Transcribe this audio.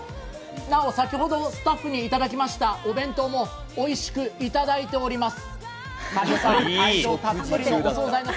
なお、先ほどのスタッフにいただきましたお弁当もおいしくいただいております。